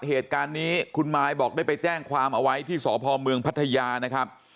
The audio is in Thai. เหตุการณ์นี้คุณมายบอกได้ไปแจ้งความเอาไว้ที่สพเมืองพัทยานะครับ